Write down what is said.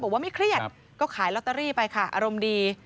ไม่เครียดก็ขายลอตเตอรี่ไปค่ะอารมณ์ดี